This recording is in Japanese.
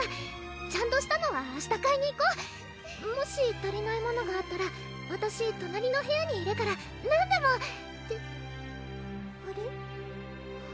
ちゃんとしたのは明日買いに行こうもし足りないものがあったらわたし隣の部屋にいるから何でもってあれ？